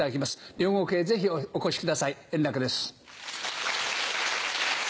両国へぜひお越しください円楽です。